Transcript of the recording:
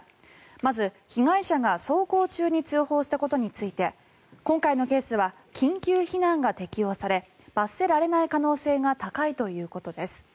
まず、被害者が走行中に通報したことについて今回のケースは緊急避難が適用され罰せられない可能性が高いということです。